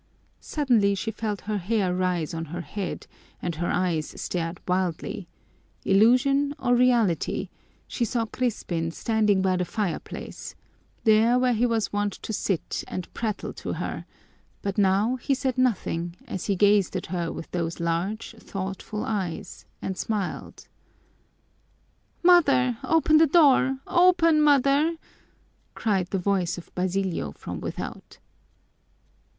Suddenly she felt her hair rise on her head and her eyes stared wildly; illusion or reality, she saw Crispin standing by the fireplace, there where he was wont to sit and prattle to her, but now he said nothing as he gazed at her with those large, thoughtful eyes, and smiled. "Mother, open the door! Open, mother!" cried the voice of Basilio from without.